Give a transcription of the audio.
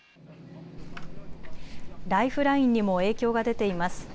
ライフラインにも影響が出ています。